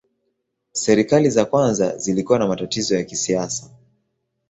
Serikali za kwanza zilikuwa na matatizo ya kisiasa.